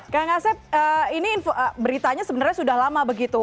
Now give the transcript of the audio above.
kang asep ini beritanya sebenarnya sudah lama begitu